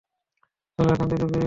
চলো, এখান থেকে বেরিয়ে যাই!